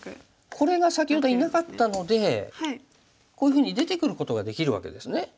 これが先ほどいなかったのでこういうふうに出てくることができるわけですね。